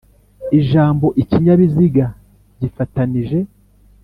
Ijambo ikinyabiziga gifatanije